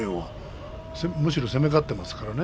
むしろ攻め勝っていますからね。